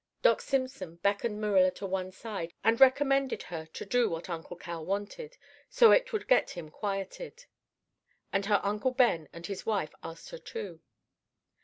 "Doc Simpson beckoned Marilla to one side and recommended her to do what Uncle Cal wanted, so it would get him quieted. And her uncle Ben and his wife asked her, too.